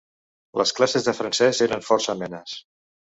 Les classes de francès eren força amenes.